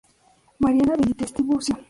Mariana Benítez Tiburcio.